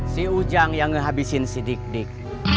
si ujang yang ngehabisin si dik dik